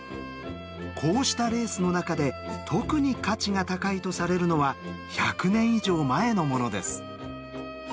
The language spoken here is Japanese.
こうしたレースの中で特に価値が高いとされるのは１００年以上前のものです。